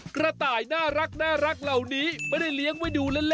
กระต่ายน่ารักเหล่านี้ไม่ได้เลี้ยงไว้ดูเล่น